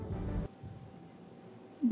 ia mengaku tidak menginginkan peristiwa ini terjadi